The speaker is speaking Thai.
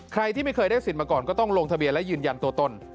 ใครที่ไม่เคยได้สิทธิ์มาก่อนก็ต้องลงทะเบียนและยืนยันตัวตน